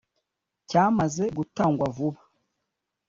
cyamaze gutangwa vuba